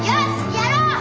やろう！